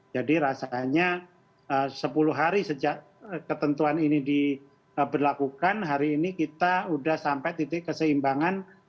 jadi rasanya sepuluh hari sejak ketentuan ini diberlakukan hari ini kita sudah sampai titik keseimbangan